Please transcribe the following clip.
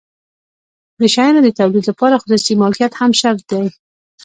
د شیانو د تولید لپاره خصوصي مالکیت هم شرط دی.